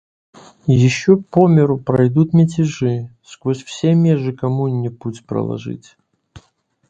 Еще по миру пройдут мятежи — сквозь все межи коммуне путь проложить.